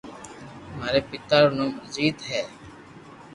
ماري پيتا رو نوم اجيت ھي